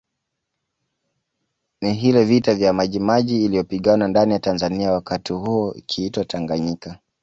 Ni hile vita ya Majimaji iliyopiganwa ndani ya Tanzania wakati huo ikiitwa Tanganyika